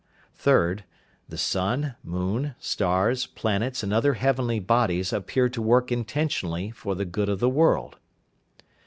3rd. The sun, moon, stars, planets and other heavenly bodies appear to work intentionally for the good of the world.